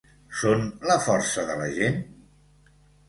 Són ‘la força de la gent’?